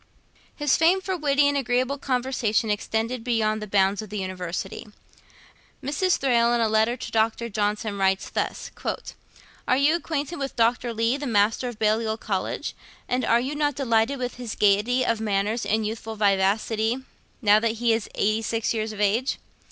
His fame for witty and agreeable conversation extended beyond the bounds of the University. Mrs. Thrale, in a letter to Dr. Johnson, writes thus: 'Are you acquainted with Dr. Leigh, the Master of Balliol College, and are you not delighted with his gaiety of manners and youthful vivacity, now that he is eighty six years of age?